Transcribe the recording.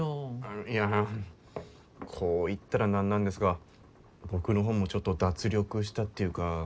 いやこう言ったらなんなんですが僕の方もちょっと脱力したっていうか。